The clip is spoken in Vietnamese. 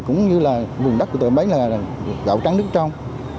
cũng như là vùng đất của tụi bấy là gạo trắng nước trong